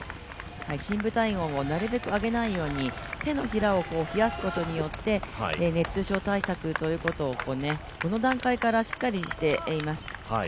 深部体温をなるべく上げないよう、手のひらを冷やすことで、熱中症対策ということをこの段階からしっかりしています。